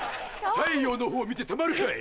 太陽の方見てたまるかい！